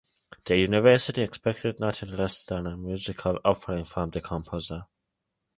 The University expected nothing less than a musical offering from the composer.